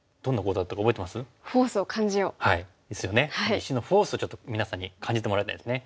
石のフォースをちょっと皆さんに感じてもらいたいですね。